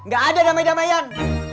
gak ada damai damaian